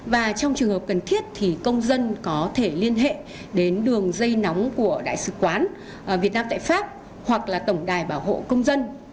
và trong trường hợp cần thiết thì công dân có thể liên hệ đến đường dây nóng của đại sứ quán việt nam tại pháp hoặc là tổng đài bảo hộ công dân